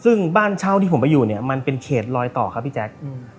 ซึ่งบ้านเช่าที่ผมไปอยู่เนี่ยมันเป็นเขตลอยต่อครับพี่แจ๊ค